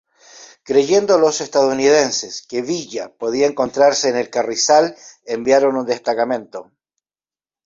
Creyendo los estadounidenses que Villa podía encontrarse en El Carrizal enviaron un destacamento.